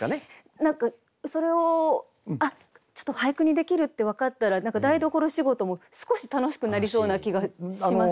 何かそれをあっちょっと俳句にできるって分かったら台所仕事も少し楽しくなりそうな気がします。